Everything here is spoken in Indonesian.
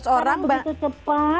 sekarang begitu cepat